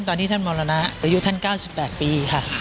ตอนนี้ท่านมรณะอายุท่าน๙๘ปีค่ะ